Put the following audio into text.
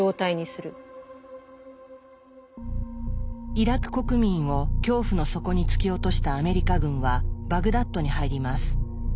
イラク国民を恐怖の底に突き落としたアメリカ軍はバグダッドに入ります。